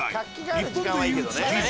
日本で言う築地。